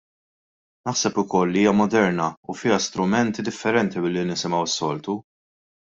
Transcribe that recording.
Naħseb ukoll li hija moderna u fiha strumenti differenti milli nisimgħu s-soltu.